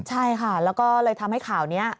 ใช่ค่ะแล้วก็เลยทำให้ข่าวนี้